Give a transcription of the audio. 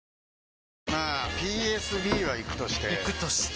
まあＰＳＢはイクとしてイクとして？